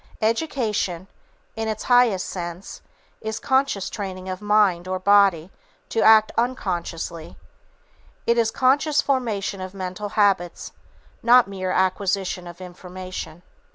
Education, in its highest sense, is conscious training of mind or body to act unconsciously. It is conscious formation of mental habits, not mere acquisition of information.